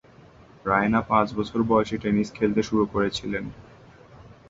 রায়না পাঁচ বছর বয়সে টেনিস খেলতে শুরু করেছিলেন।